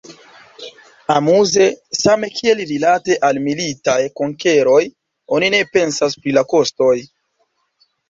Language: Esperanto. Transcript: Amuze, same kiel rilate al militaj konkeroj oni ne pensas pri la kostoj.